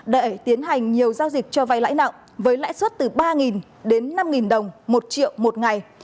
để tiến hành nhiều giao dịch cho vai lãi nặng với lãi suất từ ba đến năm đồng một triệu một ngày